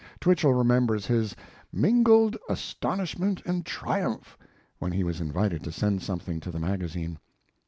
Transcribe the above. Twichell remembers his "mingled astonishment and triumph" when he was invited to send something to the magazine.